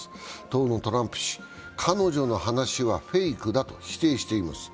当のトランプ氏、彼女の話はフェイクだと否定しています。